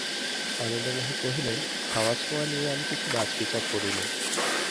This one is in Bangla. আনন্দময়ী কহিলেন, খাওয়াছোঁওয়া নিয়ে আমি কিছু বাছ-বিচার করি নে।